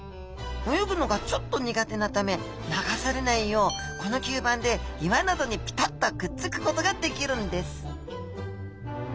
泳ぐのがちょっと苦手なため流されないようこの吸盤で岩などにピタッとくっつくことができるんです